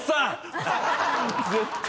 絶対。